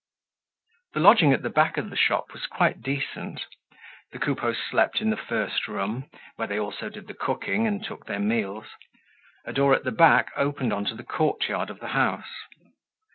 The lodging at the back of the shop was quite decent. The Coupeaus slept in the first room, where they also did the cooking and took their meals; a door at the back opened on to the courtyard of the house.